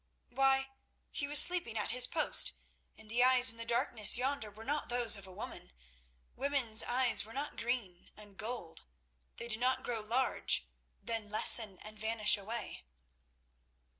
Why, he was sleeping at his post, and the eyes in the darkness yonder were not those of a woman. Women's eyes were not green and gold; they did not grow large, then lessen and vanish away.